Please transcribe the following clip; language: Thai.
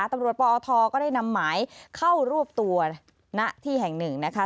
ตำรวจปธก็ได้นำหมายเข้ารวบตัวณที่แห่ง๑นะคะ